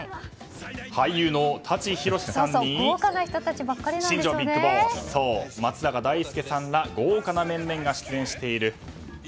俳優の舘ひろしさんに新庄ＢＩＧＢＯＳＳ松坂大輔さんら豪華な面々が出演している。